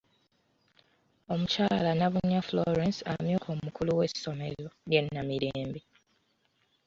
Omukyala Nabunnya Florence amyuka omukulu w'essomero lya Namirembe.